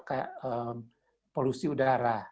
kaya polusi udara